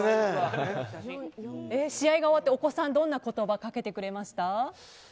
試合が終わってお子さん、どんな言葉をかけてくれましたか。